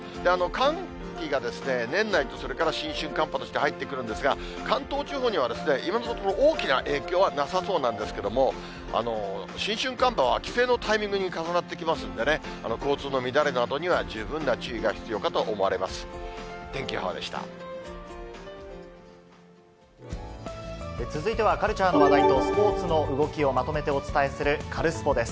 寒気が、年内とそれから新春寒波として入ってくるんですが、関東地方には今のところ、大きな影響はなさそうなんですけども、新春寒波は帰省のタイミングに重なってきますので、交通の乱れなどには十分な注意が必要かと思われます。